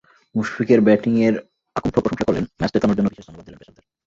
মুশফিকের ব্যাটিংয়ের অকুণ্ঠ প্রশংসা করলেন, ম্যাচটা জেতানোর জন্য বিশেষ ধন্যবাদ দিলেন পেসারদের।